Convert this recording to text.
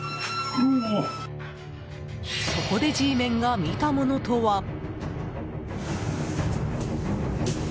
そこでＧメンが見たものとは。